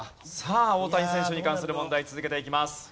さあ大谷選手に関する問題続けていきます。